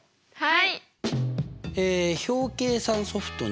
はい。